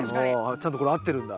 ちゃんとこれ合ってるんだ。